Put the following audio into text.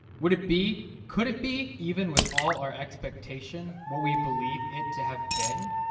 would it be, could it be, even with all our expectation, what we believe it to have been?